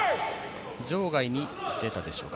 場外に出たでしょうか？